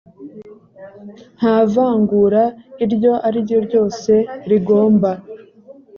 nta vangura iryo ari ryo ryose rigomba